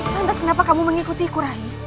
lantas kenapa kamu mengikuti ikut rai